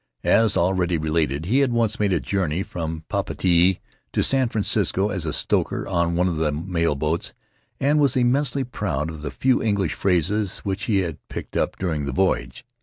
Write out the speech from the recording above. As already related, he had once made a journey from Papeete to San Francisco as a stoker on one of the mail boats and was immensely proud of the few English phrases which he had picked up during the voyage.